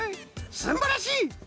すんばらしい！